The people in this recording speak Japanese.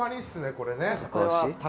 これね。